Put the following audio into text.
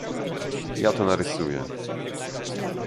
Ja to narysuje.